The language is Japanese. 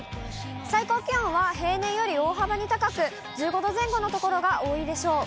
最高気温は平年より大幅に高く、１５度前後の所が多いでしょう。